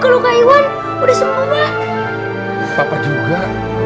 tiada tunjuan juga